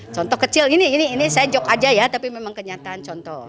contoh kecil gini ini saya jok aja ya tapi memang kenyataan contoh